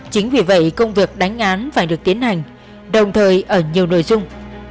chính vì vậy công việc đánh án phải được tiến hành đồng thời ở nhiều nội dung